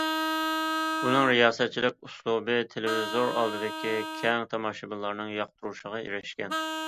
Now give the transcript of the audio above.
ئۇنىڭ رىياسەتچىلىك ئۇسلۇبى تېلېۋىزور ئالدىدىكى كەڭ تاماشىبىنلارنىڭ ياقتۇرۇشىغا ئېرىشكەن.